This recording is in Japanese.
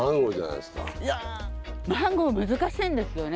いやマンゴー難しいんですよね。